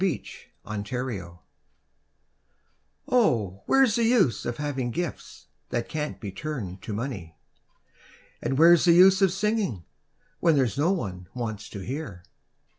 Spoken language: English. WHERE'S THE USE Oh, where's the use of having gifts that can't be turned to money? And where's the use of singing, when there's no one wants to hear?